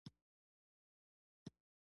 پنېر د شیدو طبیعي بڼه ده.